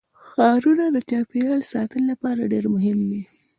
ښارونه د چاپیریال ساتنې لپاره ډېر مهم دي.